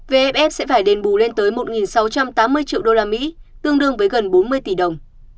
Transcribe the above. vff sẽ phải đền bù lên tới một sáu trăm tám mươi triệu đô la mỹ tương đương với gần bốn mươi tỷ đồng